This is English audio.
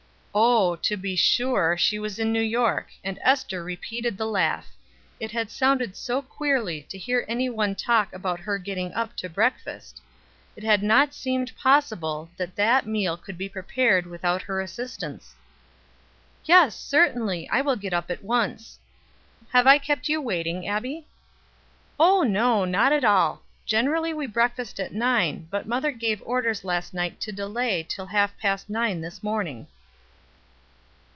Oh! to be sure, she was in New York, and Ester repeated the laugh it had sounded so queerly to hear any one talk to her about getting up to breakfast; it had not seemed possible that that meal could be prepared without her assistance. "Yes, certainly, I'll get up at once. Have I kept you waiting, Abbie?" "Oh no, not at all; generally we breakfast at nine, but mother gave orders last night to delay until half past nine this morning."